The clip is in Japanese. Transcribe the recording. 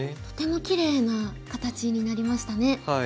とてもきれいな形になりましたね。